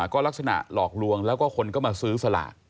ก็ลักษณะหลอกลวงแล้วก็คนก็มาซื้อสลาก